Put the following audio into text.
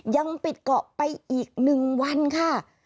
ยังปิดเกาะไปอีก๑วันค่ะ